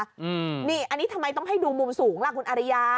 อันนี้ทำไมต้องให้ดูมุมสูงล่ะคุณอาริยา